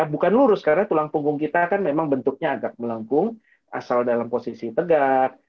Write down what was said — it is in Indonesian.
bukan lurus karena tulang punggung kita kan memang bentuknya agak melengkung asal dalam posisi tegak